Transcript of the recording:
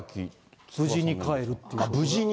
無事に帰るっていう。